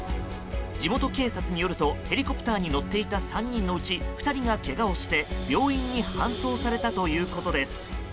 地元警察によるとヘリコプターに乗っていた３人のうち２人がけがをして病院に搬送されたということです。